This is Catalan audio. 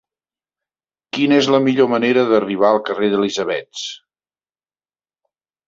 Quina és la millor manera d'arribar al carrer d'Elisabets?